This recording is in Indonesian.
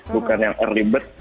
bukan yang early bird